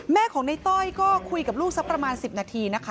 แม่ของในต้อยก็คุยกับลูกสักประมาณ๑๐นาทีนะคะ